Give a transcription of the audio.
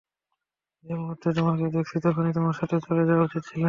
যে মুহূর্তে তোমাকে দেখেছি তখনই তোমার সাথে চলে যাওয়া উচিত ছিল।